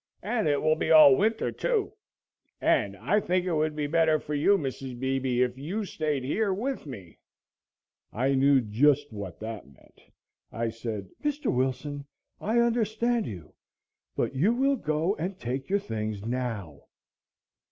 "And it will be all winter, too. And, I think it would be better for you, Mrs. Beebe, if you stayed here with me." I knew just what that meant. I said: "Mr. Wilson, I understand you, but you will go and take your things now."